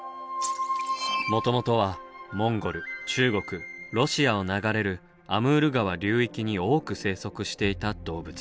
もともとはモンゴル中国ロシアを流れるアムール川流域に多く生息していた動物。